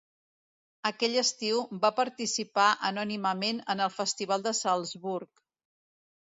Aquell estiu, va participar anònimament en el Festival de Salzburg.